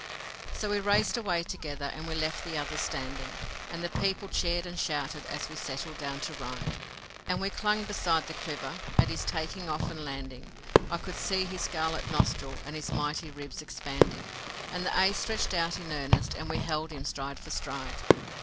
So we raced away together, and we left the others standing, And the people cheered and shouted as we settled down to ride, And we clung beside the Quiver. At his taking off and landing I could see his scarlet nostril and his mighty ribs expanding, And the Ace stretched out in earnest and we held him stride for stride.